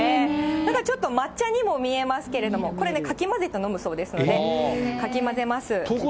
なんかちょっと抹茶にも見えますけど、これね、かき混ぜて飲むそうですので、かき混ぜます。